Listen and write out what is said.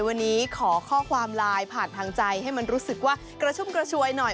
วันนี้ขอข้อความไลน์ผ่านทางใจให้มันรู้สึกว่ากระชุ่มกระชวยหน่อย